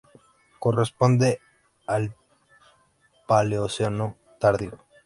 Corresponde al Paleoceno tardío.